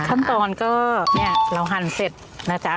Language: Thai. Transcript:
ขั้นตอนก็เนี่ยเราหั่นเสร็จนะจ๊ะ